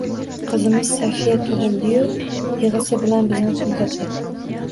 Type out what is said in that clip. Qizimiz Sofiya tugʻildiyu yigʻisi bilan bizni kuldirdi...